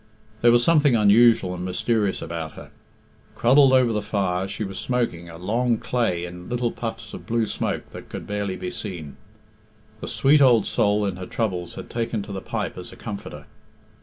There was something unusual and mysterious about her. Cruddled over the fire, she was smoking, a long clay in little puffs of blue smoke that could barely be seen. The sweet old soul in her troubles had taken to the pipe as a comforter.